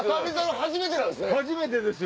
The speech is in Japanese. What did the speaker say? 初めてなんですね。